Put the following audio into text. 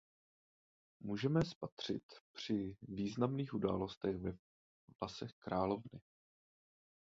Můžeme je spatřit při významných událostech ve vlasech královny.